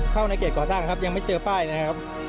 เข้าในเกรดก่อตั้งนะครับยังไม่เจอป้ายนะครับ